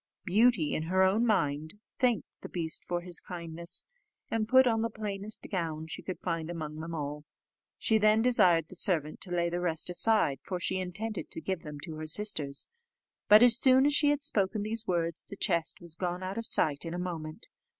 Beauty, in her own mind, thanked the beast for his kindness, and put on the plainest gown she could find among them all. She then desired the servant to lay the rest aside, for she intended to give them to her sisters; but, as soon as she had spoken these words, the chest was gone out of sight in a moment.